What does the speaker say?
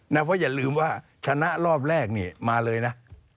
เพราะอย่าลืมว่าชนะรอบแรกนี่มาเลยนะ